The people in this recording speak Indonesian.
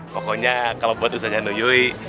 pokoknya kalo buat usahanya nuyui